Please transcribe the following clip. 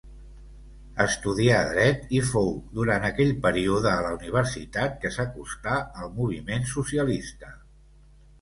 Estudià dret i fou durant aquell període a la universitat que s'acostà al moviment socialista.